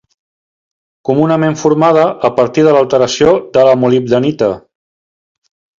Comunament formada a partir de l'alteració de la molibdenita.